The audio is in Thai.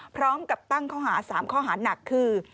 พร้อมกับตั้งข้อหา๓ข้อหาหนักคือ